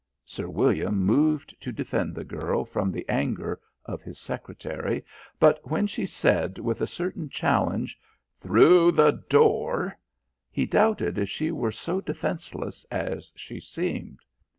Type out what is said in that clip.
Sir William moved to defend the girl from the anger of his secretary, but when she said, with a certain challenge, "Through the door," he doubted if she were so defenceless as she seemed.